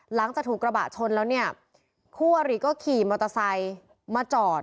หลังจากถูกกระบะชนแล้วเนี่ยคู่อริก็ขี่มอเตอร์ไซค์มาจอด